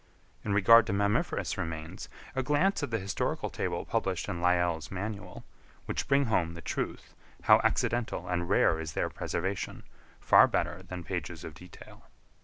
In regard to mammiferous remains, a glance at the historical table published in Lyell's Manual, will bring home the truth, how accidental and rare is their preservation, far better than pages of detail.